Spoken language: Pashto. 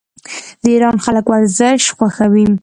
د ایران خلک ورزش خوښوي.